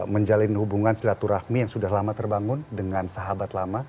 menjalin hubungan silaturahmi yang sudah lama terbangun dengan sahabat lama